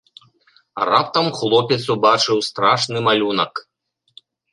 Раптам хлопец убачыў страшны малюнак.